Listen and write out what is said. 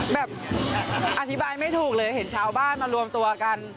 แบบอธิบายไม่ถูกเลยเห็นชาวบ้านมารวมตัวกัน